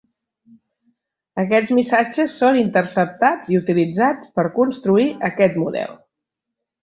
Aquests missatges són interceptats i utilitzats per construir aquest model.